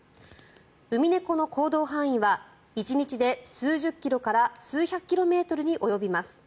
ウミネコの行動範囲は１日で数十キロから数百キロメートルに及びます。